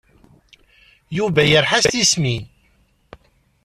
Yuba yerḥa s tismin.